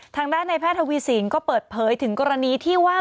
ทางด้านในแพทย์ทวีสินก็เปิดเผยถึงกรณีที่ว่า